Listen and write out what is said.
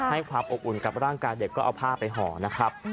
ให้ความอบอุ่นกับร่างกายเด็กก็เอาผ้าไปห่อนะครับ